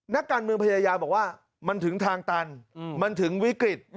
นักการเมืองพยายามบอกว่ามันถึงทางตันมันถึงวิกฤต